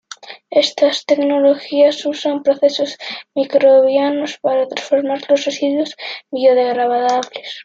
Estas tecnologías usan procesos microbianos para transformar los residuos biodegradables.